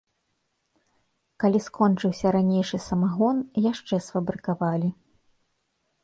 Калі скончыўся ранейшы самагон, яшчэ сфабрыкавалі.